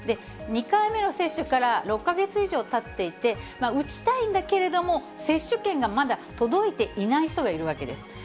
２回目の接種から６か月以上たっていて、打ちたいんだけれども、接種券がまだ届いていない人がいるわけです。